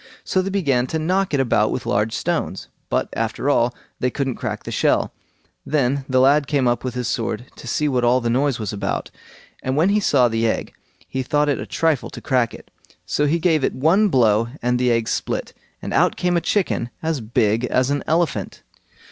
So they began to knock it about with large stones, but, after all, they couldn't crack the shell. Then the lad came up with his sword to see what all the noise was about, and when he saw the egg, he thought it a trifle to crack it; so he gave it one blow and the egg split, and out came a chicken as big as an elephant.